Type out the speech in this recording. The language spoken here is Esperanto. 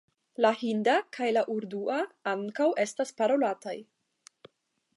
La hinda kaj la urdua ankaŭ estas parolataj.